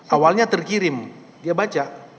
awalnya terkirim dia baca